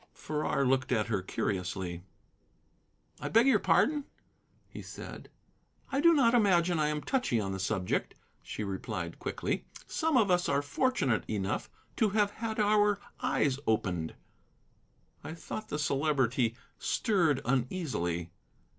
Farrar looked at her curiously. "I beg your pardon," he said. "Do not imagine I am touchy on the subject," she replied quickly; "some of us are fortunate enough to have had our eyes opened." I thought the Celebrity stirred uneasily.